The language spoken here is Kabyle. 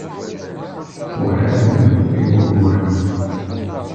Werɛad ur yefri wugur-nni.